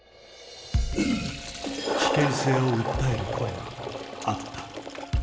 危険性を訴える声はあった。